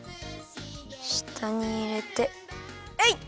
したにいれてえい！